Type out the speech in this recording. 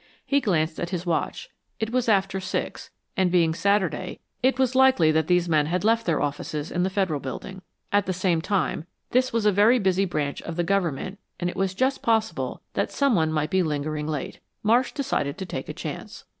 He glanced at his watch. It was after six, and being Saturday, it was likely that these men had left their offices in the Federal Building. At the same time, this was a very busy branch of the Government and it was just possible that someone might be lingering late. Marsh decided to take a chance.